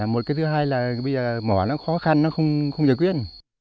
một cái thứ hai là bây giờ mỏ nó khó khăn nó không giải quyết